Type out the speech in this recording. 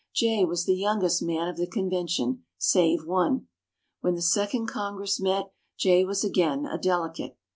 Jay was the youngest man of the Convention, save one. When the Second Congress met, Jay was again a delegate.